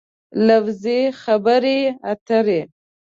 لفظي خبرې اترې